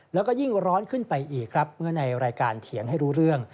แล้วก็ยิ่งร้อนขึ้นไปอีกครับเมื่อในรายการเถียงให้รู้เรื่อง